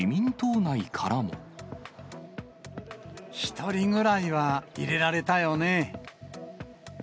１人ぐらいは入れられたよね。